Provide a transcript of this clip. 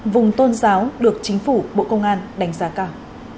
vùng tôn giáo được chính phủ bộ công an đánh giá cao